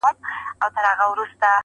بختور یې چي مي ستونی لا خوږیږي٫